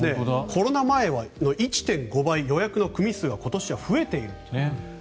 コロナ前の１．５倍予約の組数は今年は増えていると。